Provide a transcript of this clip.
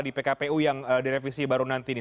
di pkpu yang direvisi baru nanti ini